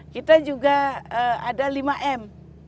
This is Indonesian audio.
kita juga ada lima m